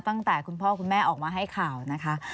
ตั้งแต่คุณพ่อคุณแม่ออกมาให้ข่าวนะคะ